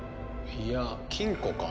いや金庫か？